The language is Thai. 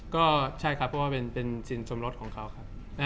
ก็ใช่ครับเพราะว่าเป็นสินสมรสของเขาครับ